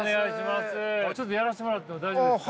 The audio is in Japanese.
ちょっとやらしてもらっても大丈夫ですか？